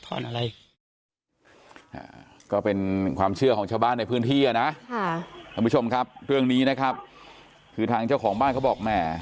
กลัวมันจะเป็นแตงโดดทนอะไร